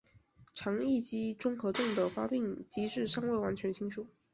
肠易激综合征的发病机制尚未完全清楚。